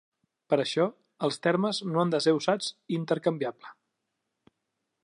Per això, els termes no han de ser usats intercanviable.